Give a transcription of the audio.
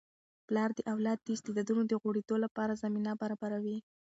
پلار د اولاد د استعدادونو د غوړیدو لپاره زمینه برابروي.